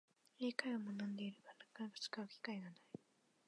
英会話を学んでいるが、なかなか使う機会がない